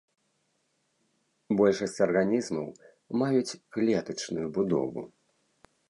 Большасць арганізмаў маюць клетачную будову.